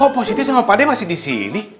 kok positi sama pak d masih di sini